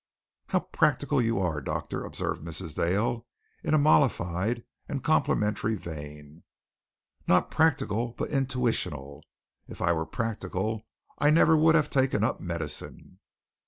"How practical you are, doctor," observed Mrs. Dale, in a mollified and complimentary vein. "Not practical, but intuitional. If I were practical, I would never have taken up medicine."